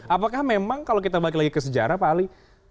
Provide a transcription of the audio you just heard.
apakah memang kalau kita balik lagi ke sejarah pak ali